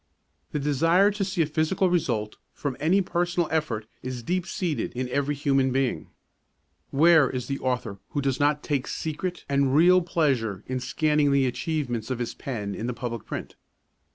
The desire to see a physical result from any personal effort is deep seated in every human being. Where is the author who does not take secret and real pleasure in scanning the achievements of his pen in the public print?